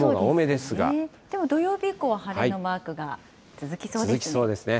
でも土曜日以降は晴れのマークが続きそうですね。